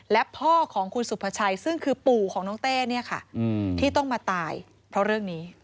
และพ่อของคุณสุภาชัยซึ่งคือปู่ของน้องเต้เนี่ยค่ะที่ต้องมาตายเพราะเรื่องนี้